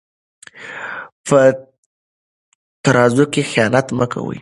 په ترازو کې خیانت مه کوئ.